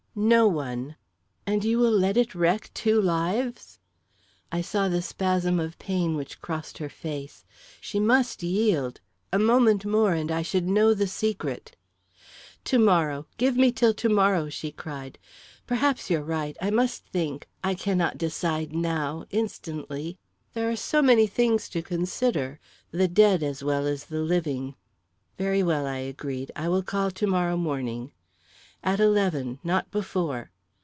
"No one!" "And you will let it wreck two lives?" I saw the spasm of pain which crossed her face. She must yield; a moment more, and I should know the secret! "To morrow give me till to morrow!" she cried. "Perhaps you're right I must think I cannot decide now instantly. There are so many things to consider the dead as well as the living." "Very well," I agreed. "I will call to morrow morning " "At eleven not before."